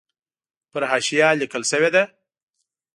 پر حاشیه لیکل شوې ده.